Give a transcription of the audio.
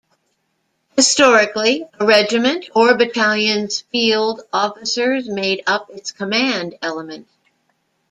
Historically, a regiment or battalion's field officers made up its command element.